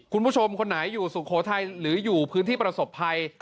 คุณผู้ชมคนไหนอยู่สุโครไทยหรืออยู่พื้นที่ประสบภัย